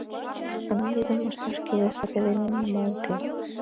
— Анализым ышташ кӱлеш, да пеленем нимо уке.